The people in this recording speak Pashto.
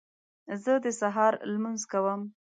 زه د سهار لمونځ کوم